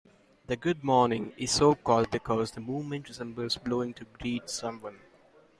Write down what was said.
The good-morning is so called because the movement resembles bowing to greet someone.